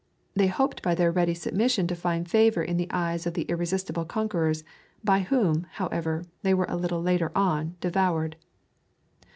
They hoped by their ready submission to find favor in the eyes of the irresistible conquerors, by whom, however, they were a little later on devoured.